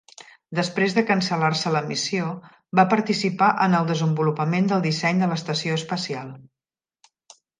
Després de cancel·lar-se la missió, va participar en el desenvolupament del disseny de l'Estació espacial.